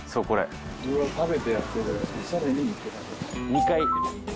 ２階。